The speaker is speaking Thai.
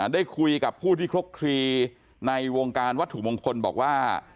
ได้คุยกับผู้ที่คลุกคลีในวงการวัตถุมงคลบอกว่า